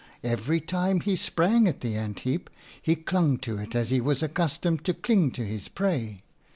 Every time he sprang at the ant heap he clung to it as he was accustomed to cling to his prey.